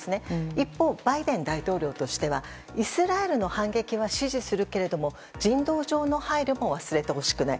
一方バイデン大統領としてはイスラエルの反撃は支持するけれども人道上の配慮も忘れてほしくない。